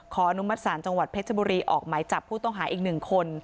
อนุมัติศาลจังหวัดเพชรบุรีออกหมายจับผู้ต้องหาอีก๑คน